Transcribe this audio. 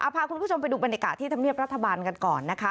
พาคุณผู้ชมไปดูบรรยากาศที่ธรรมเนียบรัฐบาลกันก่อนนะคะ